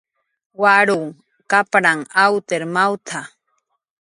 "Waruw kapranh awtir mawt""a"